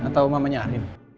atau mamanya arin